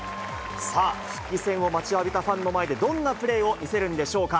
さあ、復帰戦を待ちわびたファンの前で、どんなプレーを見せるんでしょうか。